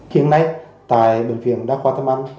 hiện nay tại bệnh viện đa khoa thế măng